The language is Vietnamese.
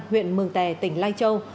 huyện mường tè tỉnh lai châu